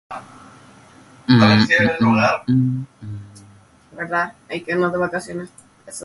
Ten minutes later, when the audio ended, the cricket noises didn’t.